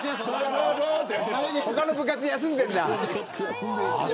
他の部活、休んでるんだ。